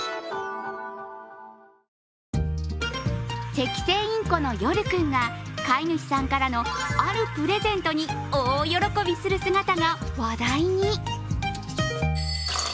セキセイインコの夜君が飼い主さんからのあるプレゼントに大喜びする姿が話題に。